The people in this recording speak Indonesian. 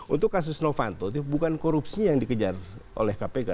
untuk kasus novanto bukan korupsi yang dikejar oleh kpk